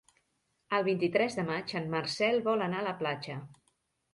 El vint-i-tres de maig en Marcel vol anar a la platja.